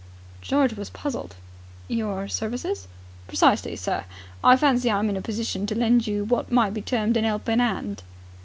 George was puzzled. "Your services?" "Precisely, sir. I fancy I am in a position to lend you what might be termed an 'elping 'and."